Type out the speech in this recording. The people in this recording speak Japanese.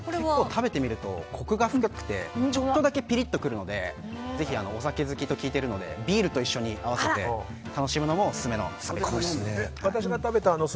食べてみるとコクが深くて、ちょっとだけピリッとくるのでぜひ、お酒好きと聞いているのでビールと一緒に合わせて楽しむのもオススメの食べ方です。